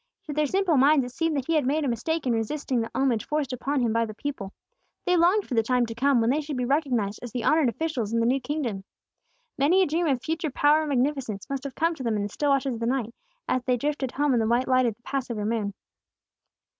To their simple minds it seemed that He had made a mistake in resisting the homage forced upon Him by the people; they longed for the time to come when they should be recognized as the honored officials in the new kingdom. Many a dream of future power and magnificence must have come to them in the still watches of the night, as they drifted home in the white light of the Passover moon.